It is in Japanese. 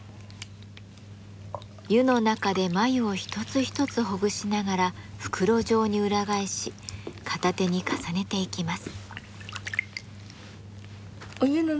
湯の中で繭を一つ一つほぐしながら袋状に裏返し片手に重ねていきます。